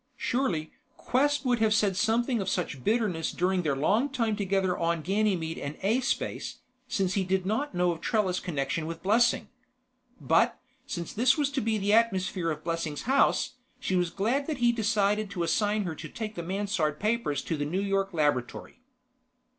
Surely, Quest would have said something of such bitterness during their long time together on Ganymede and aspace, since he did not know of Trella's connection with Blessing. But, since this was to be the atmosphere of Blessing's house, she was glad that he decided to assign her to take the Mansard papers to the New York laboratory.